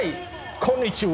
こんにちは。